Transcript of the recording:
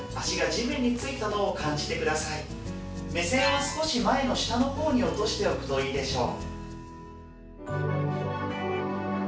目線は少し前の下の方に落としておくといいでしょう。